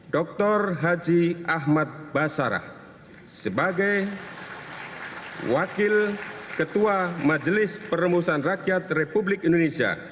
dr haji ahmad basarah sebagai wakil ketua majelis permusuhan rakyat republik indonesia